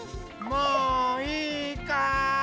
もういいかい？